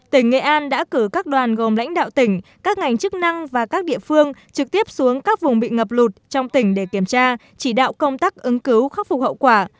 tỉnh nghệ an đã cử các đoàn gồm lãnh đạo tỉnh các ngành chức năng và các địa phương trực tiếp xuống các vùng bị ngập lụt trong tỉnh để kiểm tra chỉ đạo công tác ứng cứu khắc phục hậu quả